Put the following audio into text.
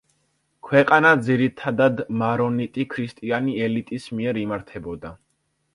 ქვეყანა ძირითადად მარონიტი ქრისტიანი ელიტის მიერ იმართებოდა.